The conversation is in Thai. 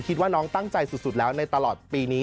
คิดว่าน้องตั้งใจสุดแล้วในตลอดปีนี้